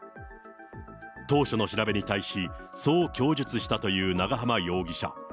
当初の調べに対し、そう供述したという長浜容疑者。